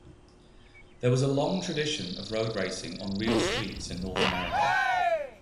There was a long tradition of road racing on real streets in North America.